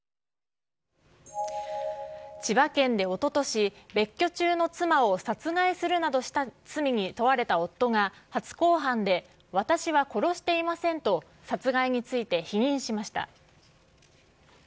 千葉県でおととし、別居中の妻を殺害するなどした罪に問われた夫が、初公判で私は殺していませんと、殺害について否認しました。